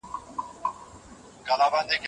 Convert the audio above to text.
د قصاص حکم په قرآن کي دی.